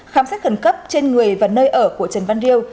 khám sát khẩn cấp trên người và nơi ở của trần văn riêu